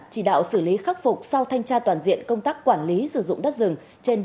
chỉ đạo xử lý khắc phục sau thanh tra toàn diện công tác quản lý sử dụng đất rừng trên